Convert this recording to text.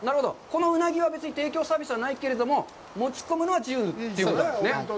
このうなぎは提供サービスはないけれども、持ち込むのは自由ということですね。